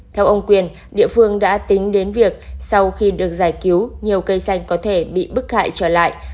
theo ông quyền địa phương đã tính đến việc sau khi được giải cứu nhiều cây xanh có thể bị bức hại trở lại